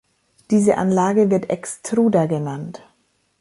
Diese Anlage wird "Extruder" genannt.